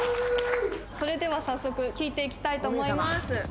それでは早速聞いていきたいと思います